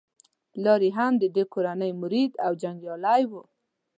پلار یې هم د دې کورنۍ مرید او جنګیالی وو.